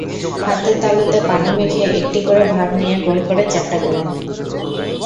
হাতের তালুতে পানি মেখে একটি করে ভাগ নিয়ে গোল করে চ্যাপ্টা করুন।